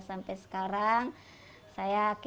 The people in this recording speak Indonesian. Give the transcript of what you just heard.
ada kemungkinan saya melalui buscar alat ini